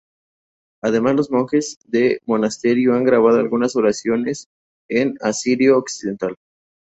Además los monjes de monasterio han grabado algunas oraciones en asirio occidental.